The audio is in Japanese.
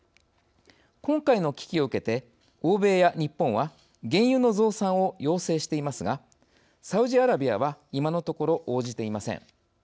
今回の危機を受けて欧米や日本は原油の増産を要請していますがサウジアラビアは今のところ、応じていません。